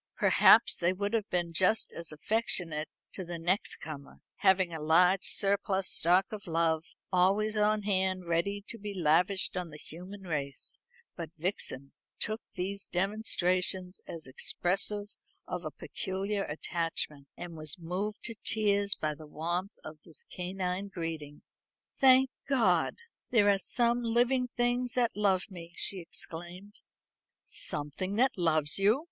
Perhaps they would have been just as affectionate to the next comer, having a large surplus stock of love always on hand ready to be lavished on the human race; but Vixen took these demonstrations as expressive of a peculiar attachment, and was moved to tears by the warmth of this canine greeting. "Thank God! there are some living things that love me," she exclaimed. "Something that loves you!"